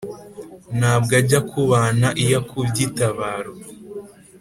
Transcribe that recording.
ntabwo ajya akubana, iyo akubye itabaro